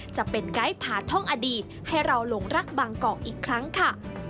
จะเป็นไกด์ผ่าท่องอดีตให้เราหลงรักบางกอกอีกครั้งค่ะ